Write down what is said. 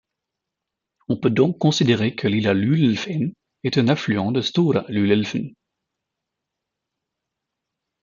On peut donc considérer que Lilla Luleälven est un affluent de Stora Luleälven.